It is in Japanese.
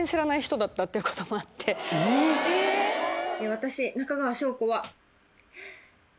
私中川翔子は。